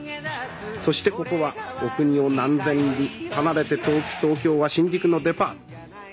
そしてここはお国を何千里離れて遠き東京は新宿のデパート。